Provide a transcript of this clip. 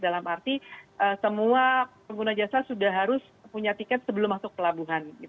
dalam arti semua pengguna jasa sudah harus punya tiket sebelum masuk pelabuhan